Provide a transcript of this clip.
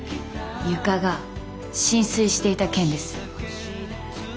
床が浸水していた件です。